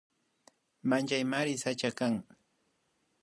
Wayllamari sachaka kan